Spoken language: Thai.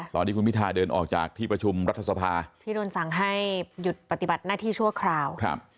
ตอนที่คุณพิทาเดินออกจากที่ประชุมรัฐสภาที่โดนสั่งให้หยุดปฏิบัติหน้าที่ชั่วคราวครับ